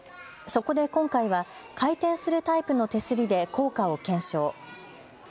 そこで今回は回転するタイプの手すりで効果を検証。